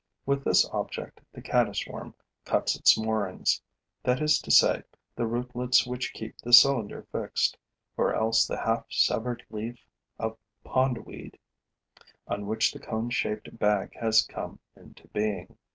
With this object, the caddis worm cuts its moorings, that is to say, the rootlets which keep the cylinder fixed, or else the half severed leaf of pond weed on which the cone shaped bag has come into being.